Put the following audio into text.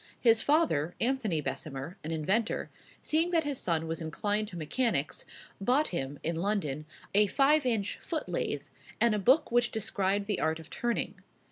His father, Anthony Bessemer, an inventor, seeing that his son was inclined to mechanics, bought him, in London, a five inch foot lathe, and a book which described the art of turning.